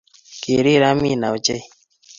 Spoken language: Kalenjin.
Kirir Amina ochei